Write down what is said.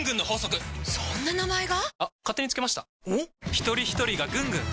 ひとりひとりがぐんぐん！